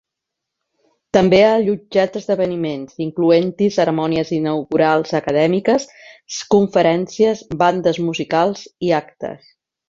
També ha allotjat esdeveniments, incloent-hi cerimònies inaugurals acadèmiques, conferències, bandes musicals i actes.